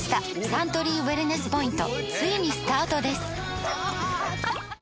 サントリーウエルネスポイントついにスタートです！